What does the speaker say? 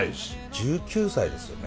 １９歳ですよね。